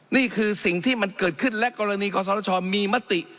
นี่คือสิ่งที่มันเกิดขึ้นและกรณีกศชมีมติ